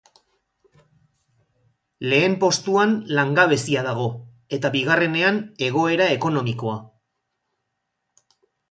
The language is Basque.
Lehen postuan langabezia dago eta bigarrenean, egoera ekonomikoa.